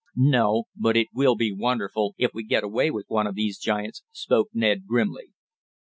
"No, but it will be wonderful if we get away with one of these giants," spoke Ned grimly.